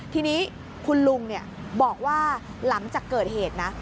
ทีนี้คุณลุงบอกว่าหลังจากเกิดเหตุนะ